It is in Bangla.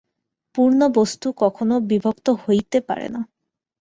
পূর্ণ বস্তু কখনও বিভক্ত হইতে পারে না।